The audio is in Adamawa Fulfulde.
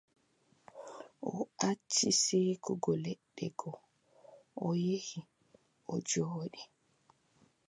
O acci seekugo leɗɗe go, o yehi, o jooɗi.